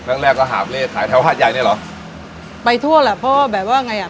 แรกแรกก็หาบเล่ขายแถวหาดใหญ่เลยเหรอไปทั่วแหละเพราะว่าแบบว่าไงอ่ะ